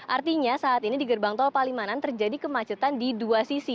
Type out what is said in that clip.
artinya saat ini di gerbang tol palimanan terjadi kemacetan di dua sisi